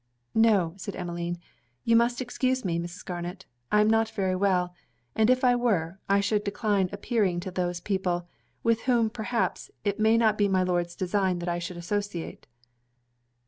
'No,' said Emmeline, 'you must excuse me, Mrs. Garnet. I am not very well; and if I were, should decline appearing to these people, with whom, perhaps, it may not be my Lord's design that I should associate.'